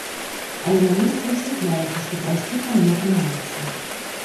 Але на месцы высвятляецца, што прайсці там не атрымаецца.